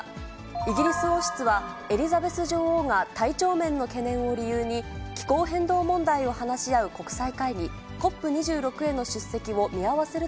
イギリス王室は、エリザベス女王が体調面の懸念を理由に、気候変動問題を話し合う国際会議、ＣＯＰ２６への出席を見合わせる